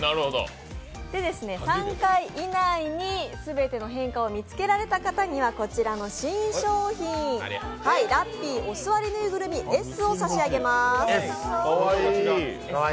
３回以内に全ての変化を見つけられた方には新商品、ラッピーお座りぬいぐるみＳを差し上げます。